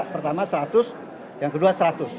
dua ratus pertama seratus yang kedua seratus